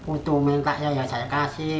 utuh minta yang saya kasih